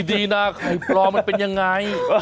ดีนะไข่ปลอมมันเป็นยังไง